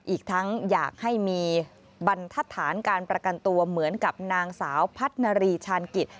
อีกทั้งอยากให้มีบรรทัศนการประกันตัวเหมือนกับนางสาวพัฒนารีชาญกิจ